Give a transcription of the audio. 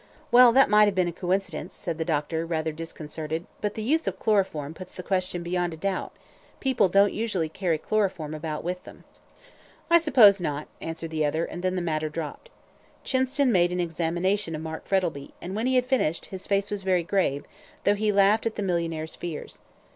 "Well, that might have been a coincidence," said the doctor, rather disconcerted; "but the use of chloroform puts the question beyond a doubt; people don't usually carry chloroform about with them." "I suppose not," answered the other, and then the matter dropped. Chinston made an examination of Mark Frettlby, and when he had finished, his face was very grave, though he laughed at the millionaire's fears.